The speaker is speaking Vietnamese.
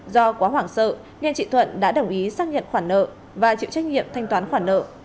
do quá hoảng sợ nên chị thuận đã đồng ý xác nhận khoản nợ và chịu trách nhiệm thanh toán khoản nợ